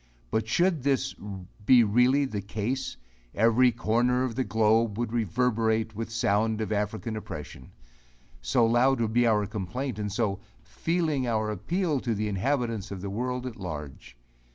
But should this be really the case, every corner of the globe would reverberate with the sound of African oppression; so loud would be our complaint, and so "feeling our appeal" to the inhabitants of the world at large.